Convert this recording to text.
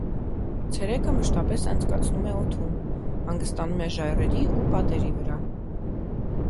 Ցերեկը մշտապես անցկացնում է օդում, հանգստանում է ժայռերի ու պատերի վրա։